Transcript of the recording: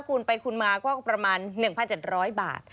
คุณไปคุณมาก็ประมาณ๑๗๐๐บาท